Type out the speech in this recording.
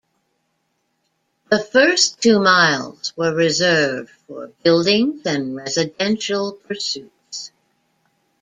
The first two miles were reserved for buildings and residential pursuits.